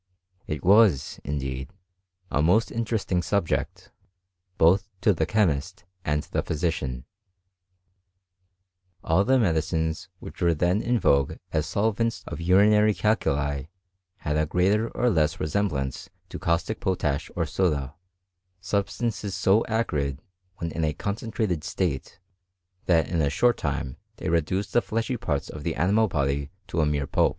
It was, indeed, a most inteP esting subject, both to the chemist and the physician* All the medicines which were then in vogue as sob vents of urinary calculi had a greater or less reseoH blance to caustic potash or soda ; substances so acrid^ when in a concentrated state, that in a short time th&f reduce the fleshy parts of the animal body to a m6f0 pulp.